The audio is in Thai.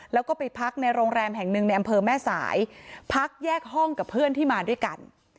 แล้วก็ไปพักในโรงแรมแห่งหนึ่งในอำเภอแม่สายพักแยกห้องกับเพื่อนที่มาด้วยกัน